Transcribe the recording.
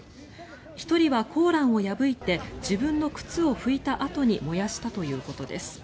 １人はコーランを破いて自分の靴を拭いたあとに燃やしたということです。